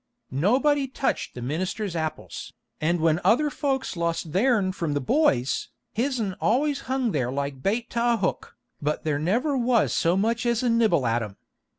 Nobody touched the minister's apples, and when other folks lost their'n from the boys, his'n always hung there like bait t' a hook, but there never was so much as a nibble at 'em.